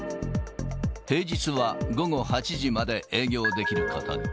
平日は午後８時まで営業できることに。